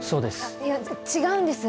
いや違うんです。